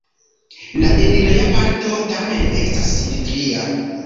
La enireja parto tamen estas simetria.